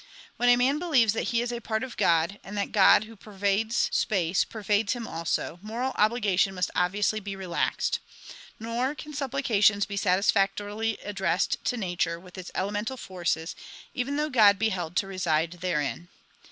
When a man believes that he is a part of God, and that God, who pervades space, pervades him also, moral obligation must obviously be relaxed. Nor can supplications be satisfactorily addressed to nature, with its elemental forces, even though God be held to reside therein.